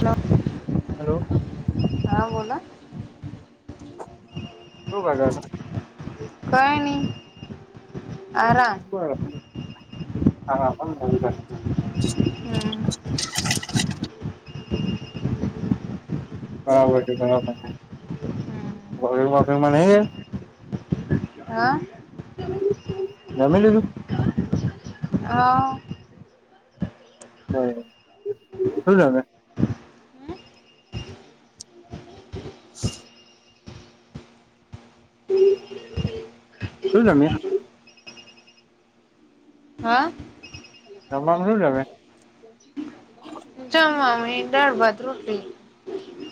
Hello. Hello. હા બોલો. શું કરસ? કઈ ની. [inaudible] હમ્મ. બરાબર છે દવાખાને [inaudible] હ? રમી લું હા. [inaudible] શું છેમે? હ શું જમે? હા? જમવાનું શું જમે? જમવામાં ઈડા, ભાત, રોટલી.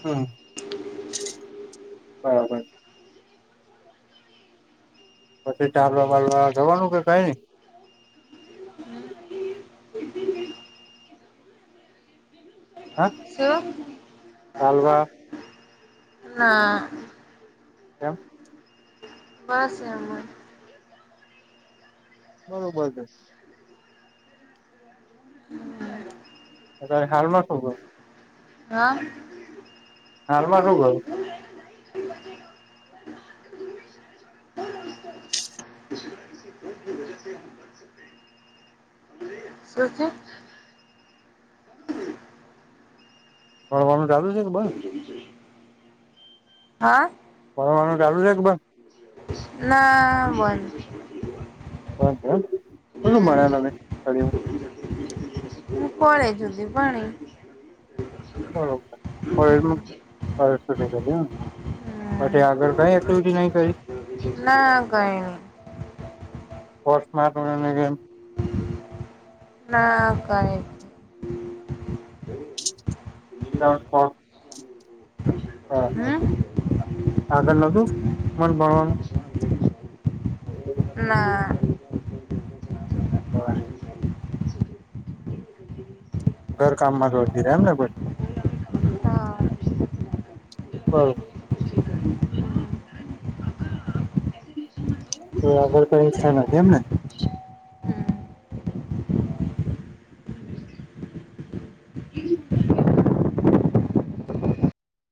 હમ્મ, કઈ નઈ. પછી ચારવા બારવા જવાનું કે કઈ ને? હા? શું? તાલવા. ના. તો? બસ એમ જ. બરોબર છે. અતર હાલમાં ખોભે. હા? હાલમા શું [inaudible] શું છે? ભણવાનું ચાલુ છે કે બંધ? હા? પરવાનું ચાલુ છે કે બધ? ના બંધ. [unintelligible] હમ મળ્યું. હું કોળે જુદી પાણી. બરોબર [unintelligible] હમ પછી આગળ કઈ એક્ટિવિટી નહી કરી? ના કઈણી. પોસ્ટ મા [inaudible] ના કાય. [unintelligible] હા, હમ આગળ નું શું મન ભણવાનું? ના [inaudible] હ ઘર કામ માં જોી રહેે એમ નેધ હા હમ આગળ કઈ ઈચ્છા નથી એમ ને હમ